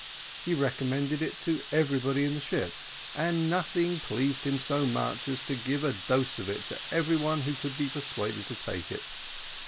He recommended it to everybody in the ship, and nothing pleased him so much as to give a dose of it to every one who could be persuaded to take it.